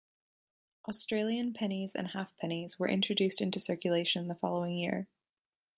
Australian pennies and half-pennies were introduced into circulation the following year.